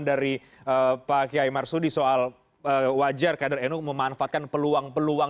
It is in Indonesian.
dari pak kiai marsudi soal wajar kader nu memanfaatkan peluang peluang